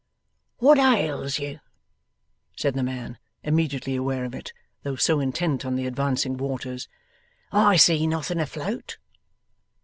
'What ails you?' said the man, immediately aware of it, though so intent on the advancing waters; 'I see nothing afloat.